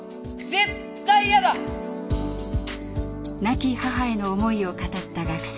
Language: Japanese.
亡き母への思いを語った学生。